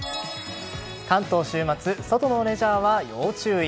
関東、週末外のレジャーは要注意。